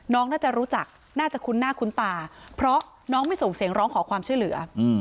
น้องน่าจะรู้จักน่าจะคุ้นหน้าคุ้นตาเพราะน้องไม่ส่งเสียงร้องขอความช่วยเหลือ